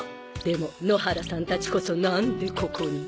でも野原さんたちこそなんでここに？